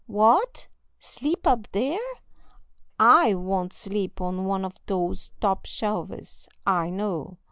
"What, sleep up there! I won't sleep on one of those top shelves, I know.